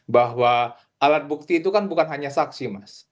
bahwa alat bukti itu kan bukan hanya saksi mas